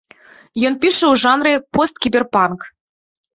Ён піша ў жанры посткіберпанк.